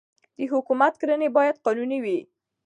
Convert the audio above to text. د حکومت کړنې باید قانوني وي